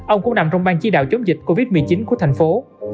ông cũng nằm trong ban chỉ đạo chống dịch covid một mươi chín của thành phố